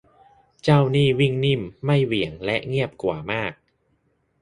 เจ้านี่วิ่งนิ่มไม่เหวี่ยงและเงียบกว่ามาก